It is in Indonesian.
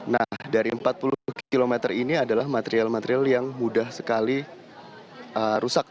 nah dari empat puluh km ini adalah material material yang mudah sekali rusak